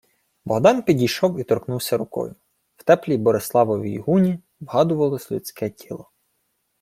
Богдан підійшов і торкнувся рукою. В теплій Бориславовій гуні вгадувалось людське тіло.